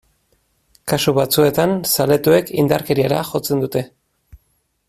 Kasu batzuetan, zaletuek indarkeriara jotzen dute.